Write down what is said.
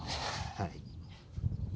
はい。